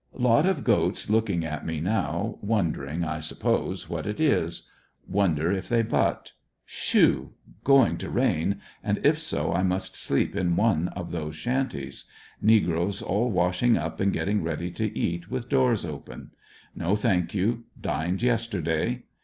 Lot of goats looking at me now, wondering, I suppose, what it is. Wonder if they butt? Shoo! Going to rain, and if so I must sleep in one of those shanties. Negroes all wash ing up and getting ready to eat, with doors open No, thank you; dined yesterday.